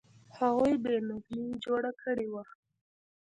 هغوی بې نظمي جوړه کړې وه.